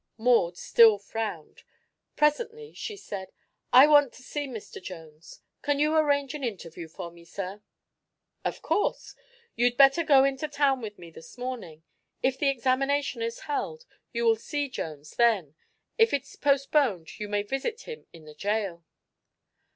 Maud still frowned. Presently she said: "I want to see Mr. Jones. Can you arrange an interview for me, sir?" "Of course. You'd better go into town with me this morning. If the examination is held, you will see Jones then. If it's postponed, you may visit him in the jail."